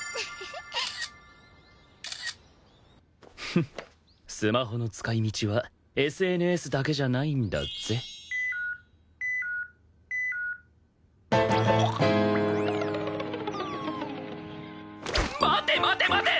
フンスマホの使い道は ＳＮＳ だけじゃないんだぜ待て待て待て！